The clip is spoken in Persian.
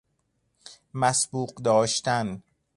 مسبوق داشتن